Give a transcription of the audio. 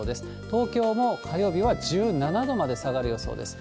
東京も火曜日は１７度まで下がる予想です。